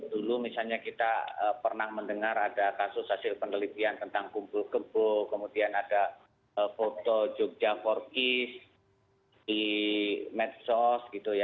dulu misalnya kita pernah mendengar ada kasus hasil penelitian tentang kumpul kebo kemudian ada foto jogja forkis di medsos gitu ya